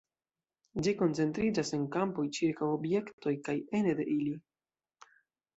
Ĝi koncentriĝas en kampoj ĉirkaŭ objektoj kaj ene de ili.